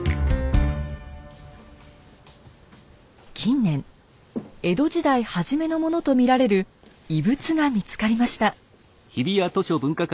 近年江戸時代初めのものと見られる遺物が見つかりました。